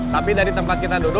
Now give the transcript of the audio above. tapi dari tempat kita duduk